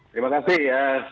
terima kasih ya